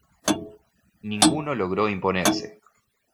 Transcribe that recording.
Ninguno logró imponerse.